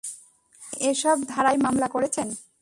আপনি এসব ধারায় মামলা করেছেন?